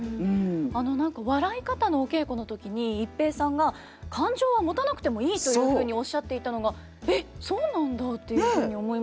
あの何か笑い方のお稽古の時に逸平さんが「感情はもたなくてもいい」というふうにおっしゃっていたのが「えっそうなんだ」っていうふうに思いました。